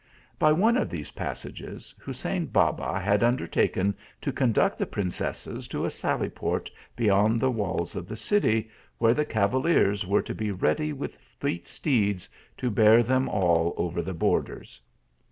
By one of these passages, Hussein Baba had undertaken to conduct the princesses to a sally port beyond the walls of the city, where the cavaliers were to be ready with fleet steeds to bear them all over the borders.